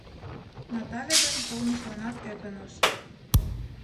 Натале гын толмыжланат ӧкыныш.